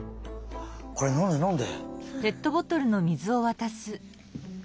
これのんでのんで。